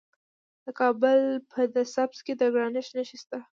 د کابل په ده سبز کې د ګرانیټ نښې شته.